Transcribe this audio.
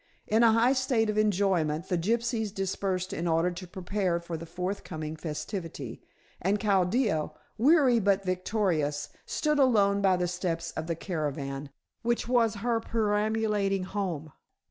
In a high state of enjoyment the gypsies dispersed in order to prepare for the forthcoming festivity, and Chaldea, weary but victorious, stood alone by the steps of the caravan, which was her perambulating home.